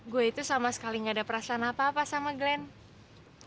gue itu sama sekali gak ada perasaan apa apa sama glenn